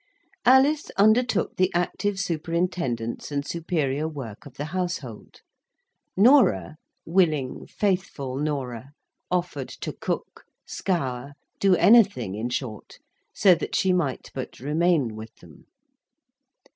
Alice undertook the active superintendence and superior work of the household. Norah, willing faithful Norah, offered to cook, scour, do anything in short, so that, she might but remain with them.